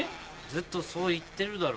ずっとそう言ってるだろ。